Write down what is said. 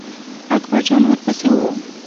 اکبر جان ور پسې و.